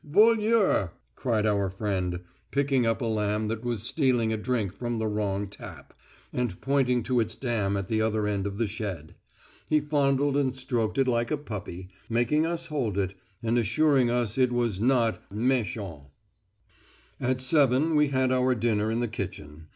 voleur,' cried our friend, picking up a lamb that was stealing a drink from the wrong tap, and pointing to its dam at the other end of the shed; he fondled and stroked it like a puppy, making us hold it, and assuring us it was not méchant! At 7.0 we had our dinner in the kitchen.